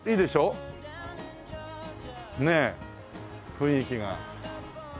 雰囲気が。